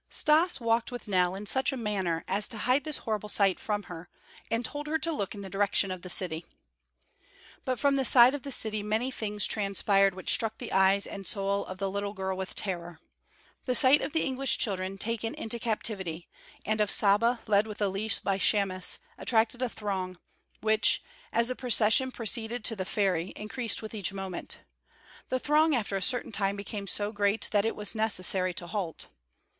Stas walked with Nell in such a manner as to hide this horrible sight from her, and told her to look in the direction of the city. But from the side of the city many things transpired which struck the eyes and soul of the little girl with terror. The sight of the "English" children, taken into captivity, and of Saba led with a leash by Chamis attracted a throng, which as the procession proceeded to the ferry increased with each moment. The throng after a certain time became so great that it was necessary to halt.